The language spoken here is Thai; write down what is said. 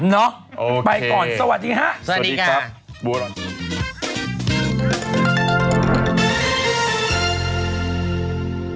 เนาะไปก่อนสวัสดีฮะสวัสดีครับบัวรอย